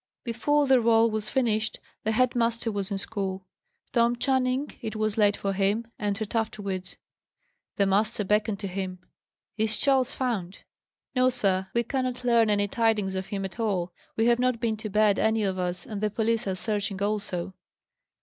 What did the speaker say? Before the roll was finished, the head master was in school. Tom Channing it was late for him entered afterwards. The master beckoned to him. "Is Charles found?" "No, sir. We cannot learn any tidings of him at all. We have not been to bed, any of us; and the police are searching also."